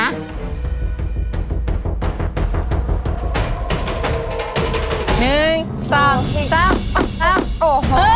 โอ้โห